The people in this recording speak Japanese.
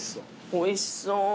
おいしそう。